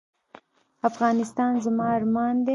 افغانستان زما ارمان دی؟